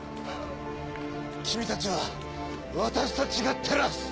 君たちは私たちが照らす！